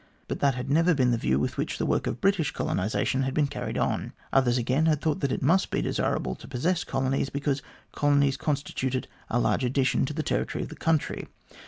But that had never been the view with which the work of British colonisation had been carried on. Others, again, had thought that it must be desirable to possess colonies, because colonies constituted a large addition to the territory of the country.